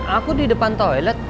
aku di depan toilet